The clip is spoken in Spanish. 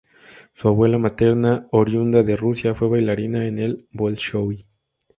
Su abuela materna, oriunda de Rusia, fue bailarina en el Bolshoi.